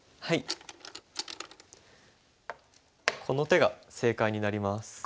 この手が正解になります。